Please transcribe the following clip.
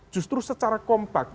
justru secara kompak